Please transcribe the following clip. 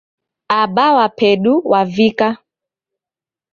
Aba wa pedu wavika